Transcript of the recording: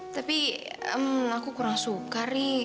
tapi aku kurang suka sih